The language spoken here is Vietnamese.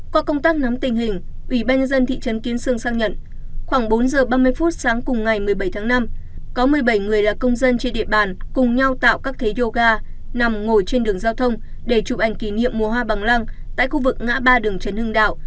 qua công tác nắm tình hình ubnd thị trấn kiến sương xác nhận khoảng bốn giờ ba mươi phút sáng cùng ngày một mươi bảy tháng năm có một mươi bảy người là công dân trên địa bàn cùng nhau tạo các thế yoga nằm ngồi trên đường giao thông để chụp ảnh kỷ niệm mùa hoa bằng lăng tại khu vực ngã ba đường trấn hưng đạo